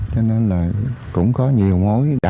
cho nên là cũng có nhiều mối